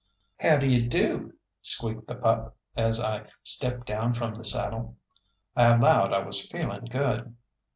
"How d'ye do?" squeaked the pup, as I stepped down from the saddle. I allowed I was feeling good.